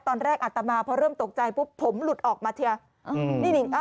ตอนแรกอัตตามาเพราะเริ่มตกใจปุ๊บผมหลุดออกมาเถียว